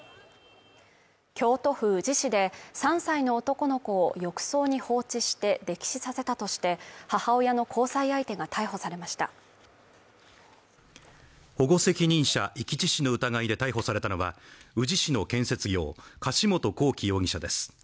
京都府宇治市で３歳の男の子を浴槽に放置して溺死させたとして母親の交際相手が逮捕されました保護責任者遺棄致死の疑いで逮捕されたのは宇治市の建設業柏本光樹容疑者です